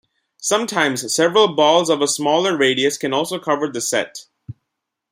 Sometimes several balls of a smaller radius can also cover the set.